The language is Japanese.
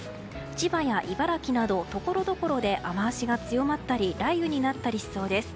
千葉や茨城などところどころで雨脚が強まったり雷雨になったりしそうです。